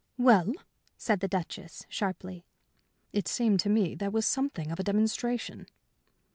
"Well?" said the Duchess, sharply. "It seemed to me there was something of a demonstration."